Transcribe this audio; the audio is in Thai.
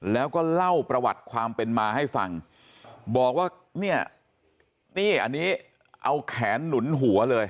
แล้วก็เล่าประวัติความเป็นมาให้ฟังบอกว่าเนี่ยนี่อันนี้เอาแขนหนุนหัวเลย